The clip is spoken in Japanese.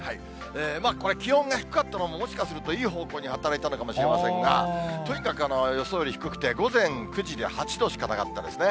これ、気温が低かったのも、もしかするといい方向に働いたのかもしれませんが、とにかく予想より低くて午前９時で８度しかなかったですね。